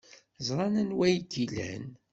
Ẓran anwa ay k-ilan.